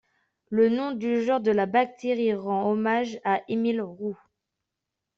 Le nom du genre de la bactérie rend hommage à Émile Roux.